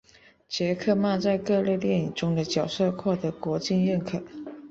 杰克曼在各类电影中的角色获得国际认可。